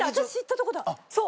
そう！